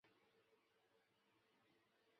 期间曾于德国佛莱堡大学进修一年。